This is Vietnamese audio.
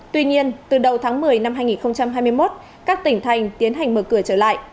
tuy nhiên từ đầu tháng một mươi năm hai nghìn hai mươi một các tỉnh thành tiến hành mở cửa trở lại